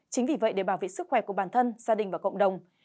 chính vì vậy để bảo vệ sức khỏe của bản thân gia đình và cộng đồng